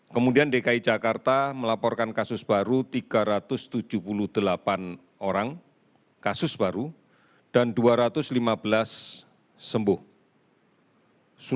kemudian dki jakarta melaporkan kasus baru tiga ratus tujuh puluh delapan orang kasus baru dan dua ratus lima belas sembuh